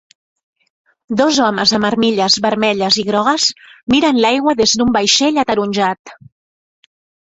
Dos homes amb armilles vermelles i grogues miren l'aigua des d'un vaixell ataronjat.